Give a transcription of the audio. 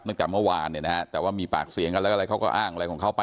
ตั้งแต่เมื่อวานเนี่ยนะฮะแต่ว่ามีปากเสียงกันแล้วก็อะไรเขาก็อ้างอะไรของเขาไป